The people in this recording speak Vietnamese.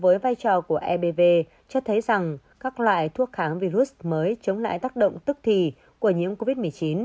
với vai trò của ebv cho thấy rằng các loại thuốc kháng virus mới chống lại tác động tức thì của nhiễm covid một mươi chín